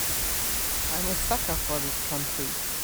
I'm a sucker for this country.